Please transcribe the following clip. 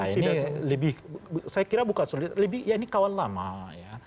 ini lebih saya kira bukan solidaritas lebih ya ini kawan lama ya